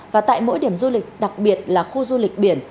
và tại mỗi điểm du lịch đặc biệt là khu du lịch biển